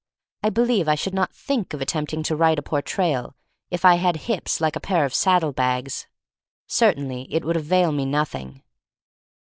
I believe I should not think of attempting to write a Portrayal if I had hips like a pair of saddle bags. Cer tainly it would avail me nothing.